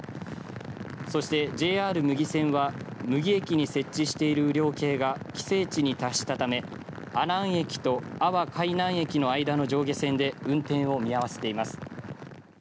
そして、ＪＲ牟岐線は牟岐駅に設置している雨量計が規制値に達したため阿南駅と阿波海南駅の上下線で運転を見合わせています。